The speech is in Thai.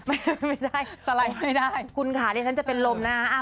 ไม่ใช่สไลด์ไม่ได้คุณค่ะดิฉันจะเป็นลมนะฮะ